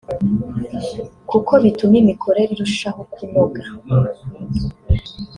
kuko bituma imikorere irushaho kunoga